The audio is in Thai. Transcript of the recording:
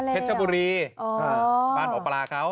เผ็ดชะบุรีบ้านออกปลาร่าเขา